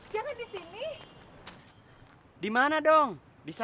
saya sih selalu mengupas